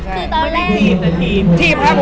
คือตอนแรก